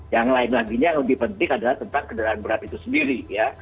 yang lain laginya yang lebih penting adalah tentang kendaraan berat itu sendiri ya